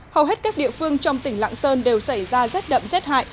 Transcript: hầu hết các địa phương trong tỉnh lạng sơn đều xảy ra rét đậm rét hại